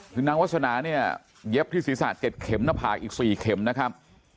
ถึงนางวัศนะเนี่ยเย็บที่ศีรษะเก็บเข็มหน้าผากอีกสี่เข็มนะครับ